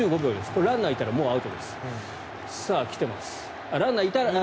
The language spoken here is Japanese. これ、ランナーがいたらもうアウトです。